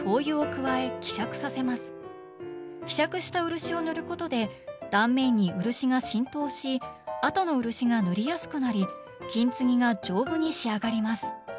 希釈した漆を塗ることで断面に漆が浸透しあとの漆が塗りやすくなり金継ぎが丈夫に仕上がります。